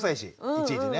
いちいちね。